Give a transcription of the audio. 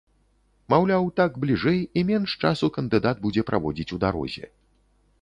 Маўляў, так бліжэй і менш часу кандыдат будзе праводзіць у дарозе.